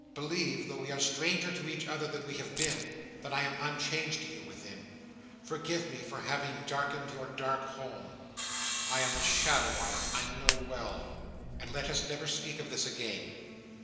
Believe, though we are stranger to each other than we have been, that I am unchanged to you within. Forgive me for having ever darkened your dark home—I am a shadow on it, I know well—and let us never speak of this again."